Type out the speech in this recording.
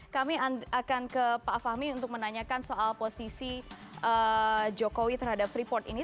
kami akan ke pak fahmi untuk menanyakan soal posisi jokowi terhadap freeport ini